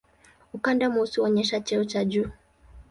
Ukanda mweusi huonyesha cheo cha juu.